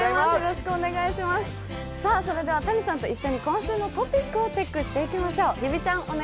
それではＴａｎｉさんと一緒に今週のトピックをチェックしていきましょう。